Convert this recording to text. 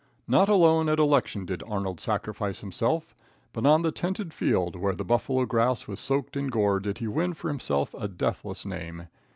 Not alone at election did Arnold sacrifice himself, but on the tented field, where the buffalo grass was soaked in gore, did he win for himself a deathless name.